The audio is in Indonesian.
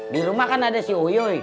di rumah kan ada si oyo